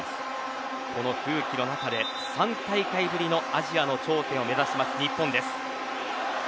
この空気の中で３大会ぶりのアジアの頂点を目指します日本です。